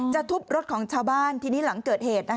ทุบรถของชาวบ้านทีนี้หลังเกิดเหตุ